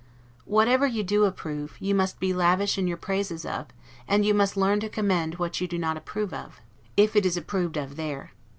Whatever you do approve, you must be lavish in your praises of; and you must learn to commend what you do not approve of, if it is approved of there.